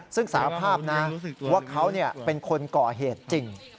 ซึ่งสารภาพนะว่าเขาเป็นคนก่อเหตุจริง